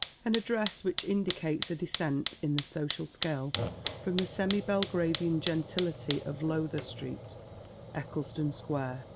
An address which indicates a descent in the social scale from the semi Belgravian gentility of Lowther Street, Eccleston Square.